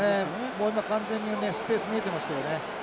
もう今完全にねスペース見えてましたよね。